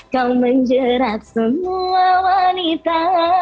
kau menjerat semua wanita